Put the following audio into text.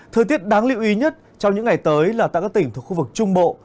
thời tiết đáng lưu ý nhất trong những ngày tới là tại các tỉnh thuộc khu vực trung bộ